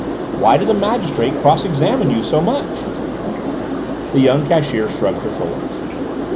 "Why did the magistrate cross examine you so much?" The young cashier shrugged her shoulders.